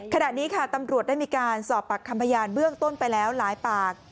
ขณะนี้ค่ะตำรวจได้มีการสอบปากคำพยานเบื้องต้นไปแล้วหลายปาก